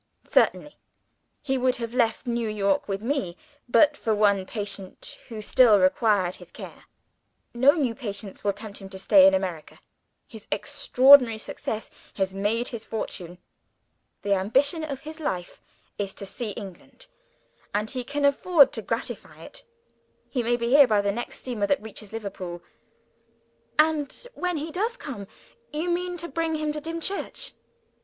"Certainly! He would have left New York with me, but for one patient who still required his care. No new patients will tempt him to stay in America. His extraordinary success has made his fortune. The ambition of his life is to see England: and he can afford to gratify it. He may be here by the next steamer that reaches Liverpool." "And when he does come, you mean to bring him to Dimchurch?"